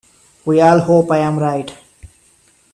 We all hope I am right.